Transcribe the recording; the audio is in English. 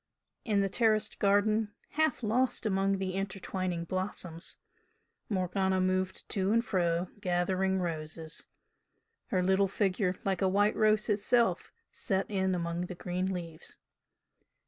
In the terraced garden, half lost among the intertwining blossoms, Morgana moved to and fro, gathering roses, her little figure like a white rose itself set in among the green leaves.